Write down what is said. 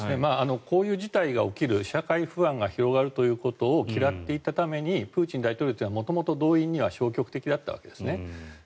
こういう事態が起きる社会不安が広がることを嫌っていたためにプーチン大統領というのは元々、動員には消極的だったわけですね。